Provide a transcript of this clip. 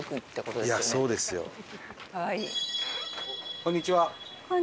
こんにちは。